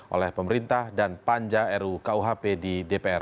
oleh pemerintah dan panja ru kuhp di dpr